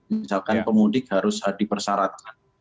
misalkan pemudik harus dipersyaratkan